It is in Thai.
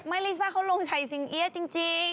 ลิซ่าเขาลงชัยสิงเอี๊ยะจริง